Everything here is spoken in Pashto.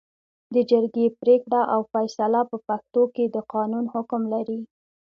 د جرګې پرېکړه او فېصله په پښتو کې د قانون حکم لري